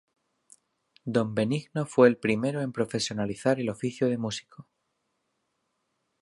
Don Benigno fue el primero en profesionalizar el oficio de músico.